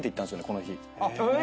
この日。